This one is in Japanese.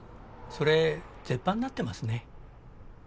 それ絶版になってますね。